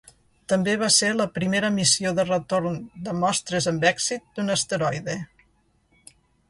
També va ser la primera missió de retorn de mostres amb èxit d'un asteroide.